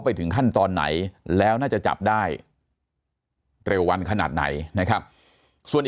ไปถึงขั้นตอนไหนแล้วน่าจะจับได้เร็ววันขนาดไหนนะครับส่วน